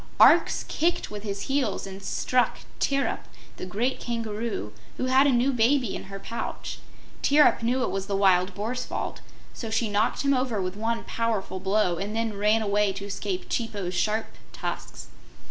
Arx kicked with his heels and struck Tirrip, the great Kangaroo, who had a new baby in her pouch. Tirrip knew it was the Wild Boar's fault, so she knocked him over with one powerful blow and then ran away to escape Chipo's sharp tusks.